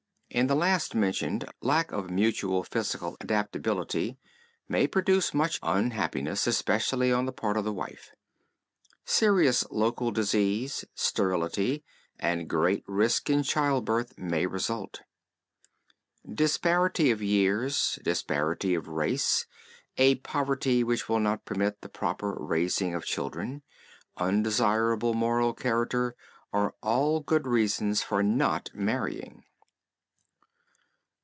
In the last mentioned, lack of mutual physical adaptability may produce much unhappiness, especially on the part of the wife. Serious local disease, sterility, and great risk in childbirth may result. Disparity of years, disparity of race, a poverty which will not permit the proper raising of children, undesirable moral character are all good reasons for not marrying.